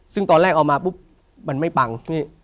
ซึ่งตอนแรกเอามาปุ๊บมันไม่ปัง